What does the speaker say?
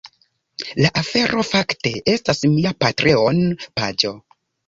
La afero fakte estas mia Patreon paĝo